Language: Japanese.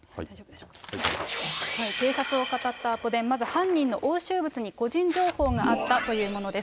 警察をかたったアポ電、まず犯人の押収物に、個人情報があったというものです。